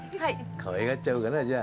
かわいがっちゃおうかなじゃあ。